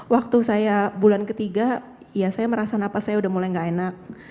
waktu saya bulan ketiga ya saya merasa napas saya udah mulai gak enak